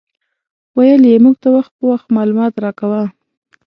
ویل یې موږ ته وخت په وخت معلومات راکاوه.